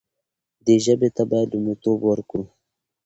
دې ژبې ته باید لومړیتوب ورکړو.